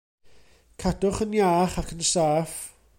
Cadwch yn iach ac yn saff.